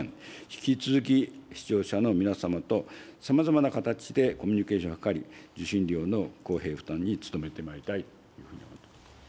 引き続き視聴者の皆様とさまざまな形でコミュニケーションを図り、受信料の公平負担に努めてまいりたいというふうに思っております。